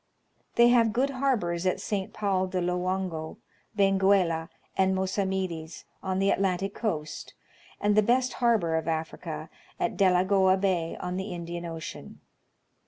They have good harbors at St. Paul de Lo ango, Benguela, and Mossamedes, on the Atlantic coast, and the best harbor of Africa, at Delagoa Bay on the Indian Ocean.